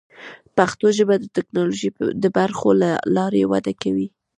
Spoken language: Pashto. پښتو ژبه د ټکنالوژۍ د برخو له لارې وده کوي.